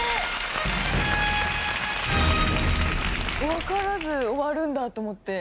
わからず終わるんだと思って。